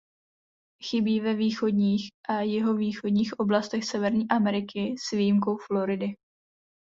Chybí ve východních a jihovýchodních oblastech Severní Ameriky s výjimkou Floridy.